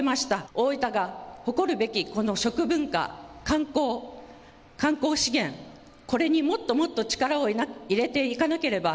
大分が誇るべき、この食文化、観光、観光資源、これにもっともっと力を入れていかなければ。